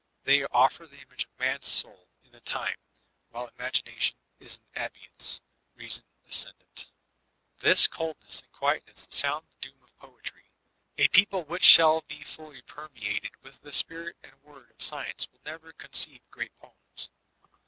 They offer the image of Man's Soul in the time while imagina* Ition is in abeyance, reason ascendent This coldness and quietness sound tiie doom of poetry. A people which shall be fully permeated with tiie spirit and word of Science will never conceive great poema.